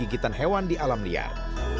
dan penyakitan hewan di alam liar